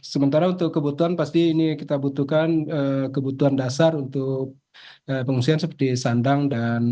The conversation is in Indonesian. sementara untuk kebutuhan pasti ini kita butuhkan kebutuhan dasar untuk pengungsian seperti sandang dan